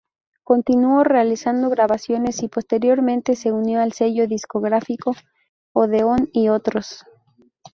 Continuó realizando grabaciones y, posteriormente, se unió al sello discográfico Odeón y otros.